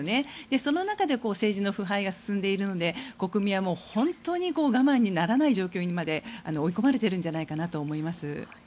その中で政治の腐敗が進んでいるので国民は本当に我慢ならない状態にまで追い込まれているんじゃないかなと思います。